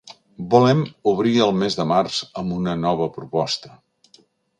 Volem obrir el mes de març amb una nova proposta.